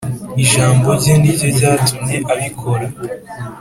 Ijambo rye niryo ryatumye abikora.